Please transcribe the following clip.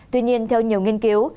tuy nhiên theo nhiều nghiên cứu